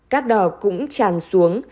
cắt đỏ cũng tràn xuống